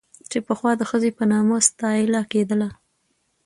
چې پخوا د ښځې په نامه ستايله کېدله